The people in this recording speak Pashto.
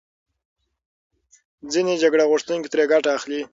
ځینې جګړه غوښتونکي ترې ګټه اخلي.